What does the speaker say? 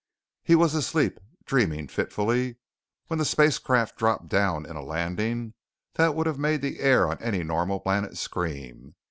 He was asleep, dreaming fitfully, when the spacecraft dropped down in a landing that would have made the air on any normal planet scream.